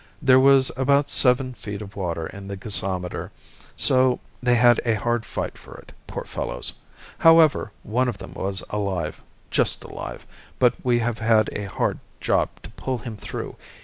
There was about seven feet of water in the gasometer, so they had a hard fight for it, poor fellows. However, one of them was alive, just alive, but we have had a hard job to pull him through.